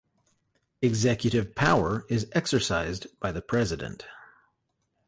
Executive power is exercised by the president.